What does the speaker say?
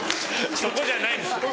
そこじゃないんです。